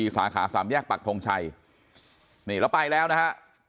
สาขาสามแยกปักทงชัยนี่แล้วไปแล้วนะฮะ